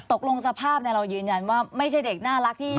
สภาพเรายืนยันว่าไม่ใช่เด็กน่ารักที่